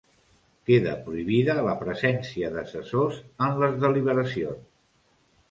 Queda prohibida la presència d'assessors en les deliberacions.